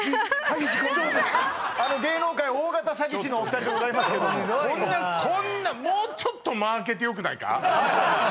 ヤダ芸能界大型詐欺師のお二人でございますけどもこんなもうちょっと間空けてよくないか？